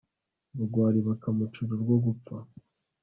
ubugwari bakamucira urwo gupfa